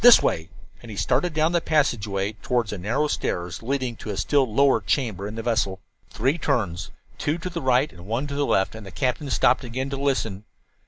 This way," and he started down the passageway toward a narrow stairs leading to a still lower chamber in the vessel. Three turns two to the right and one to the left and the captain stopped again to listen.